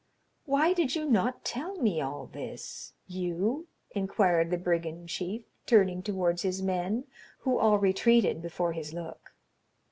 "Why did you not tell me all this—you?" inquired the brigand chief, turning towards his men, who all retreated before his look.